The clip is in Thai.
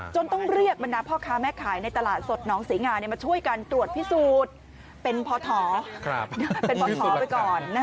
จนต้องเรียกมันนับพ่อค้าแม่ข่ายในตลาดสดสิงหาจนพอถอไปก่อน